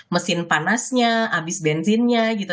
mesin panasnya habis bensinnya gitu